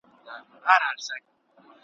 محفل ته خاندې پخپله ژاړې ,